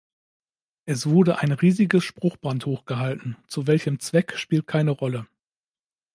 Es wurde ein riesiges Spruchband hochgehalten zu welchem Zweck, spielt keine Rolle.